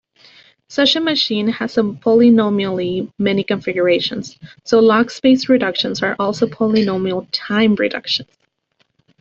Such a machine has polynomially-many configurations, so log-space reductions are also polynomial-time reductions.